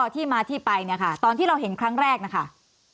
ที่มาที่ไปเนี่ยค่ะตอนที่เราเห็นครั้งแรกนะคะ